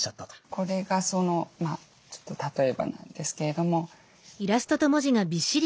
これがそのちょっと例えばなんですけれども。